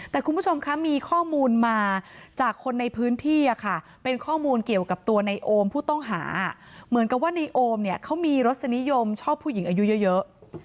แต่คุณผู้ชมคะมีข้อมูลมาจากคนในพื้นที่ค่ะเป็นข้อมูลเกี่ยวกับตัวในโอมผู้ต้องหาเหมือนกับว่าในโอมเนี่ยเขามีรสนิยมชอบผู้หญิงอายุเยอะ